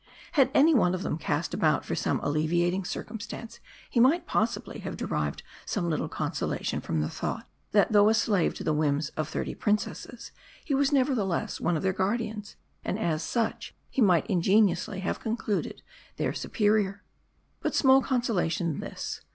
Had any one of them cast about for some alleviating cir cumstance, he might possibly have derived some little con solation from the thought, that though a slave to the whims of thirty princesses, he was nevertheless one of their guard ians, and as such, he might ingeniously have concluded, their superior. But small consolation this.